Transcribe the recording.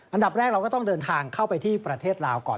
อันดับแรกเราก็ต้องเดินทางเข้าไปที่ประเทศลาวก่อน